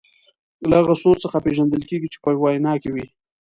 له هغه سوز څخه پېژندل کیږي چې په وینا کې وي.